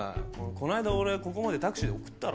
この間俺ここまでタクシーで送ったろ。